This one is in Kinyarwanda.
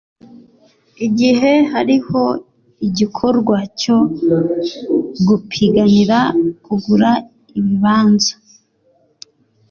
igihe hariho igikorwa cyo gupiganira kugura ibibanza